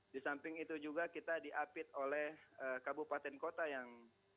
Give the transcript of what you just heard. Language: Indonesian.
di samping itu juga kita diapit oleh kabupaten kota yang